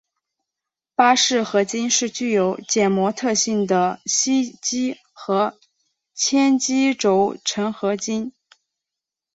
巴氏合金是具有减摩特性的锡基和铅基轴承合金。